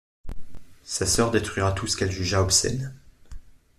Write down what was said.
Sa sœur détruira tout ce qu'elle jugea obscène.